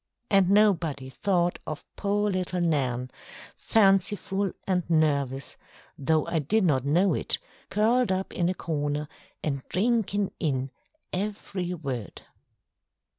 And nobody thought of poor little Nan, fanciful and nervous, though I did not know it, curled up in a corner, and drinking in every word.